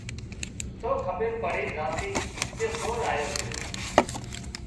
تو کٻير پڙي زاتي ڪي سور آيو سي